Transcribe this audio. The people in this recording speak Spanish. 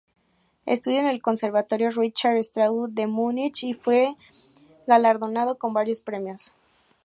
Estudió en el Conservatorio Richard Strauß de Múnich y fue galardonado con varios premios.